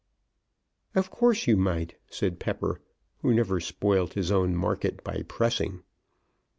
"Of course you might," said Pepper, who never spoilt his own market by pressing.